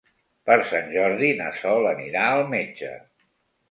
Per Sant Jordi na Sol anirà al metge.